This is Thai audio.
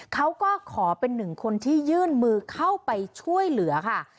เขาก็ขอเป็นหนึ่งคนที่ยื่นมือเข้าไปช่วยเหลือค่ะ